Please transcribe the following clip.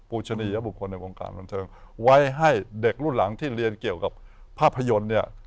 ชนียบุคคลในวงการบันเทิงไว้ให้เด็กรุ่นหลังที่เรียนเกี่ยวกับภาพยนตร์เนี่ย